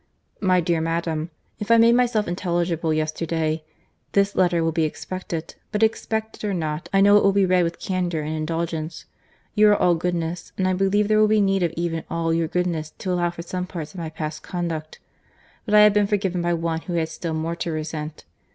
MY DEAR MADAM, "If I made myself intelligible yesterday, this letter will be expected; but expected or not, I know it will be read with candour and indulgence.—You are all goodness, and I believe there will be need of even all your goodness to allow for some parts of my past conduct.—But I have been forgiven by one who had still more to resent.